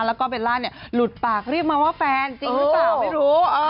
แล้วก็เบลล่าเนี่ยหลุดปากเรียกมาว่าแฟนจริงหรือเปล่าไม่รู้